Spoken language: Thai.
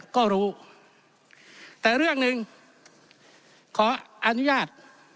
ก็รู้แต่เรื่องหนึ่งขออนุญาต